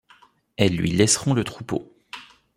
Elles lui laisseront le troupeau.